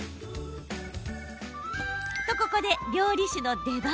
とここで、料理酒の出番。